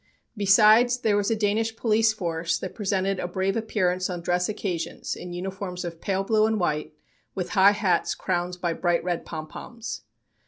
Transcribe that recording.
Besides, there was a Danish police force that presented a brave appearance on dress occasions in uniforms of pale blue and white, with high hats crowned by bright red pompoms.